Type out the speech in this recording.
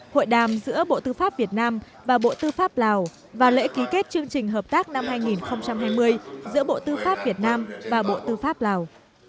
hội đàm giữa bộ tư pháp việt nam và bộ tư pháp lào và lễ ký kết chương trình hợp tác năm hai nghìn hai mươi giữa bộ tư pháp việt nam và bộ tư pháp lào